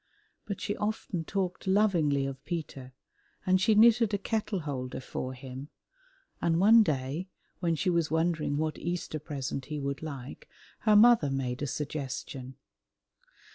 But she often talked lovingly of Peter and she knitted a kettle holder for him, and one day when she was wondering what Easter present he would like, her mother made a suggestion.